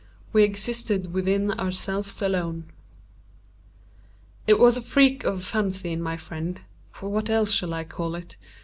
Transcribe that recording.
We existed within ourselves alone. It was a freak of fancy in my friend (for what else shall I call it?)